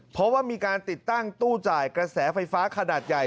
เพราะว่ามีการติดตั้งตู้จ่ายกระแสไฟฟ้าขนาดใหญ่